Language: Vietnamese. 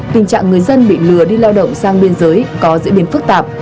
tình trạng người dân bị lừa đi lao động sang biên giới có diễn biến phức tạp